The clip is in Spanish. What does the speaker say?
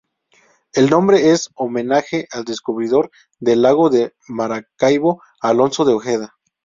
El nombre es un homenaje al descubridor del Lago de Maracaibo, Alonso de Ojeda.